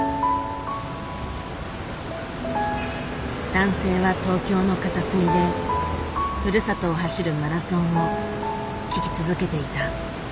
男性は東京の片隅でふるさとを走るマラソンを聞き続けていた。